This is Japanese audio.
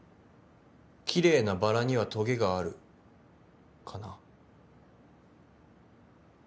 きれいなバラにはとげがあるかな。